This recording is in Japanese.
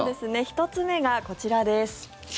１つ目がこちらです。